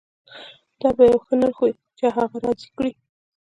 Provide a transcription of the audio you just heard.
دا به یو ښه نرخ وي چې هغه راضي کړي